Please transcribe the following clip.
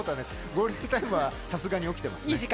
ゴールデンタイムはさすがに起きてますね。